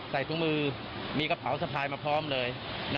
ถุงมือมีกระเป๋าสะพายมาพร้อมเลย